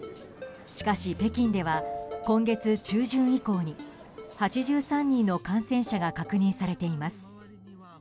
しかし北京では今月中旬以降に８３人の感染者が確認されています。